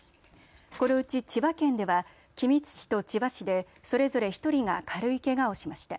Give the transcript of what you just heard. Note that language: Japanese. このうち、千葉県では君津市と千葉市でそれぞれ１人が軽いけがをしました。